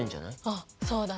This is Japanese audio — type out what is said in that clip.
あっそうだね。